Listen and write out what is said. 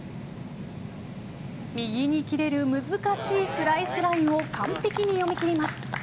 右に切れる難しいスライスラインを完璧に読み切ります。